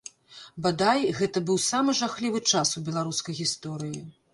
Бадай, гэта быў самы жахлівы час у беларускай гісторыі.